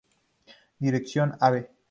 Dirección Av.